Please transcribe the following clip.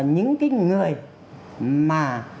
những cái người mà